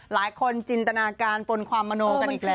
หลายคนจินตนาการปนความมโมงกันอีกแล้ว